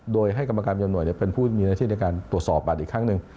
โดยให้กรรมการประจำหน่วยเป็นผู้มีหน้าที่ในการตรวจสอบบัตรอีกครั้งหนึ่ง